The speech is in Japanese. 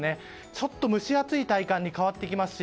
ちょっと蒸し暑い体感に変わってきますし